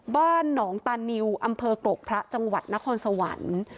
บ้านหนองตานิวอำเภอกรกพระจังหวัดนครสวรรค์